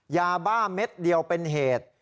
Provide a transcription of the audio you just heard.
ยาบ้าเม็ดเดียวเป็นเหตุ